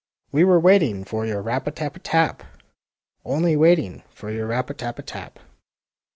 We were waiting for your rap a tap a tap! Only waiting for your rap a tap a tap!